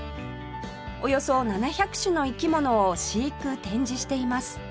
およそ７００種の生き物を飼育展示しています